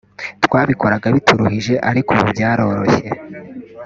twabikoraga bituruhije ariko ubu byaroroshye